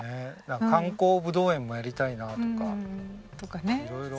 観光ぶどう園もやりたいなとか色々。